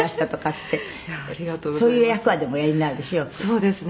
「そうですね」